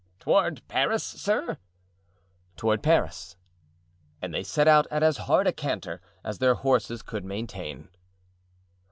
"Toward Paris, sir?" "Toward Paris." And they set out at as hard a canter as their horses could maintain.